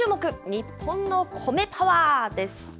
日本のコメパワーです。